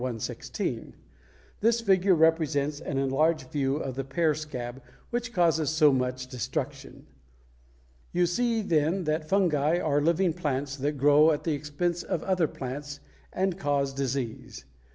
116. This figure represents an enlarged view of the pear scab, which causes so much destruction. You see, then, that fungi are living plants that grow at the expense of other plants and cause disease.